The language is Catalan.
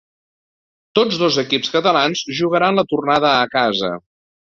Tots dos equips catalans jugaran la tornada a casa.